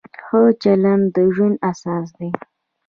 ښه چلند د ژوند اساس دی.